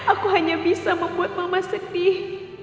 aku hanya bisa membuat mama sedih